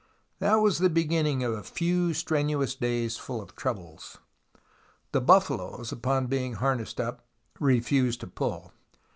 That was the beginning of a few strenuous days full of troubles. The buffaloes, upon being har nessed up, refused to pull.